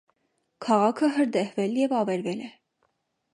Քաղաքը հրդեհվել և ավերվել է։